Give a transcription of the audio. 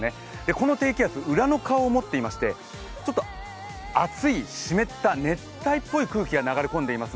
この低気圧、裏の顔を持っていまして、ちょっと熱い湿った熱帯っぽい空気が流れ込んでいます